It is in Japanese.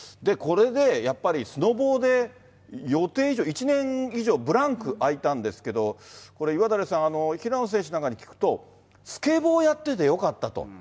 これでやっぱり、スノボで予定以上、１年以上ブランクあいたんですけど、これ岩垂さん、平野選手なんかに聞くと、スケボーやっててよかったと。